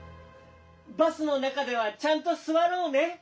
バスのなかではちゃんとすわろうね。